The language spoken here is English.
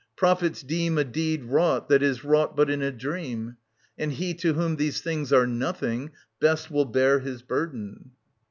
Prophets deem A deed wrought that is wrought but in a dream. And he to whom these things are nothing, best Will bear his burden.